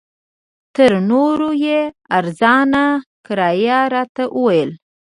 تر نورو یې ارزانه کرایه راته وویل.